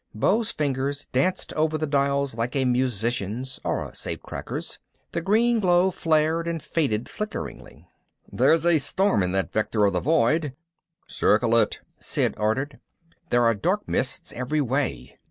Beau's fingers danced over the dials like a musician's, or a safe cracker's. The green glow flared and faded flickeringly. "There's a storm in that vector of the Void." "Circle it," Sid ordered. "There are dark mists every way."